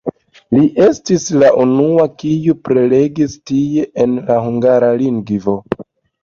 Li estis la unua, kiu prelegis tie en la hungara lingvo.